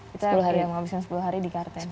kita yang ngabisin sepuluh hari di kartens